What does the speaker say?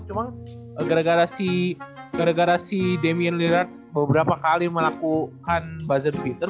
cuma gara gara si damien lillard beberapa kali melakukan buzzer filter